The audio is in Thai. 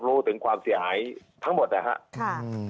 รู้ถึงความเสียหายทั้งหมดนะครับ